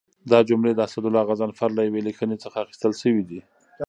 دا جملې د اسدالله غضنفر له یوې لیکنې څخه اخیستل شوي دي.